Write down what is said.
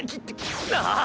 ああ！